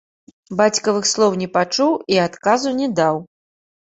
Бацькавых слоў не пачуў і адказу не даў.